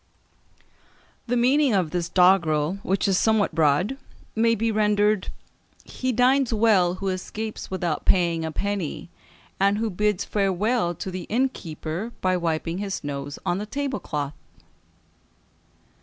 The meaning of this doggrel, which is somewhat broad, may be rendered "He dines well who escapes without paying a penny, and who bids farewell to the innkeeper by wiping his nose on the tablecloth."